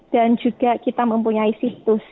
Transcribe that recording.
dan juga kita mempunyai situs